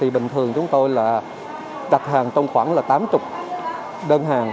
bình thường chúng tôi là đặt hàng trong khoảng tám mươi đơn hàng